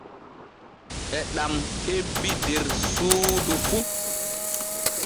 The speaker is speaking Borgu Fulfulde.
E ɗam hebbi der suudu ɗu.